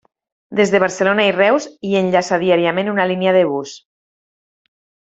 Des de Barcelona i Reus hi enllaça diàriament una línia de bus.